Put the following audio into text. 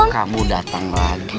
kamu datang lagi